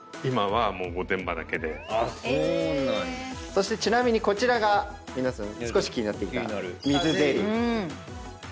そしてちなみにこちらが皆さん少し気になっていた。